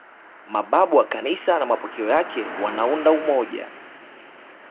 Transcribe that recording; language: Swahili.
Mababu wa Kanisa na mapokeo yake wanaunda umoja